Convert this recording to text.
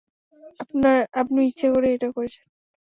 আপনি ইচ্ছে করেই এটা করেছেন।